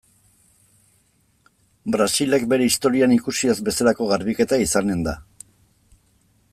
Brasilek bere historian ikusi ez bezalako garbiketa izanen da.